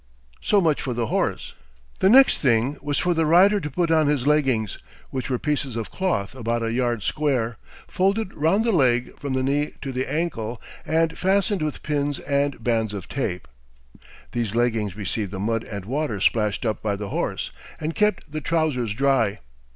So much for the horse. The next thing was for the rider to put on his leggings, which were pieces of cloth about a yard square, folded round the leg from the knee to the ankle, and fastened with pins and bands of tape. These leggings received the mud and water splashed up by the horse, and kept the trousers dry.